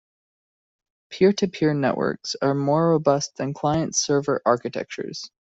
Peer-to-peer networks are more robust than client-server architectures.